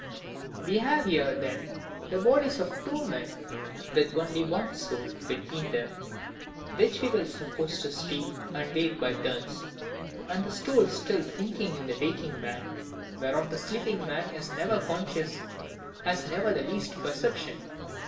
We have here, then, the bodies of two men with only one soul between them, which we will suppose to sleep and wake by turns; and the soul still thinking in the waking man, whereof the sleeping man is never conscious, has never the least perception.